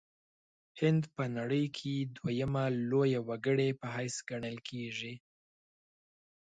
هند په نړۍ کې دویمه لویه وګړې په حیث ګڼل کیږي.